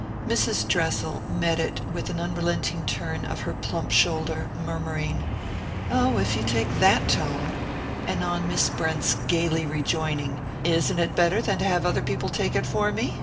Mrs. Dressel met it with an unrelenting turn of her plump shoulder, murmuring: "Oh, if you take that tone!" And on Miss Brent's gaily rejoining: "Isn't it better than to have other people take it for me?"